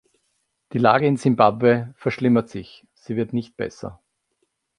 Die Lage in Simbabwe verschlimmert sich, sie wird nicht besser.